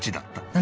何？